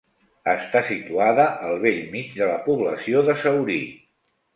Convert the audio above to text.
Està situada al bell mig de la població de Saurí.